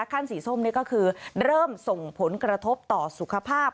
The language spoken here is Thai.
ขั้นสีส้มนี่ก็คือเริ่มส่งผลกระทบต่อสุขภาพ